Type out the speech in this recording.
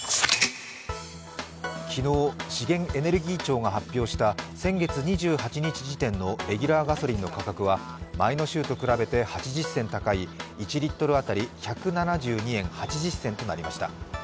昨日、資源エネルギー庁が発表した先月２８日時点のレギュラーガソリンの価格は前の週と比べて８０銭高い１リットル当たり１７２円８０銭となりました。